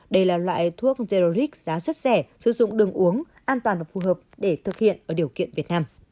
đây là loại thuốc zeroric giá rất rẻ sử dụng đường uống an toàn và phù hợp để thực hiện ở điều kiện việt nam